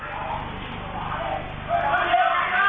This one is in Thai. คุณผู้ชมไปดูอีกหนึ่งเรื่องนะคะครับ